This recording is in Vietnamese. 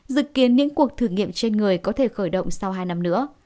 dự kiến những cuộc thử nghiệm trên người có thể khởi động sau hai năm nữa